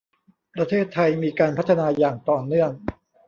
ประเทศไทยมีการพัฒนาอย่างต่อเนื่อง